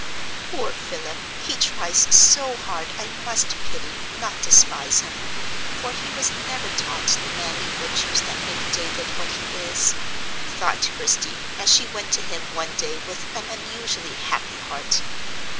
"Poor Philip, he tries so hard I must pity, not despise him; for he was never taught the manly virtues that make David what he is," thought Christie, as she went to him one day with an unusually happy heart.